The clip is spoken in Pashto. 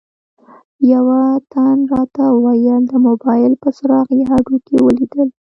یوه تن راته وویل د موبایل په څراغ یې هډوکي ولیدل.